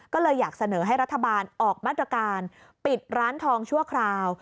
ก็เลยอยากเสนอให้รัฐบาลออกมาตรการปิดร้านทองชั่วคราว